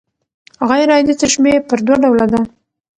غير عادي تشبیه پر دوه ډوله ده.